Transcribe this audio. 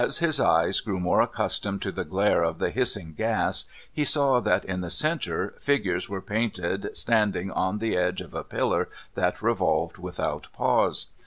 As his eyes grew more accustomed to the glare of the hissing gas, he saw that in the centre figures were painted standing on the edge of a pillar that revolved without pause.